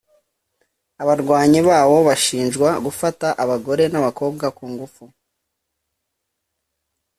Abarwanyi bawo bashinjwa gufata abagore n’abakobwa ku ngufu